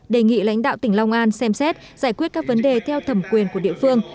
đề nghị lãnh đạo tỉnh long an xem xét giải quyết các vấn đề theo thẩm quyền của địa phương